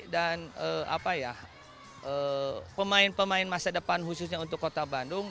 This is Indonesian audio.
dan pemain pemain masa depan khususnya untuk kota bandung